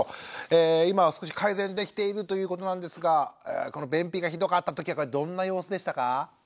今は少し改善できているということなんですがこの便秘がひどかった時はどんな様子でしたか？